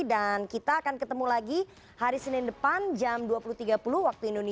dan kita akan ketemu lagi hari senin depan jam dua puluh tiga puluh wib